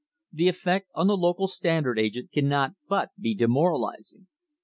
The effect on the local Standard agent cannot but be demoralising.